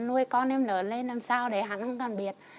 nuôi con em lớn lên làm sao để hắn không cần biết